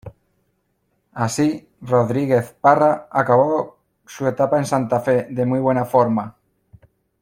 Así, Rodríguez Parra acabó su etapa en Santa Fe de muy buena forma.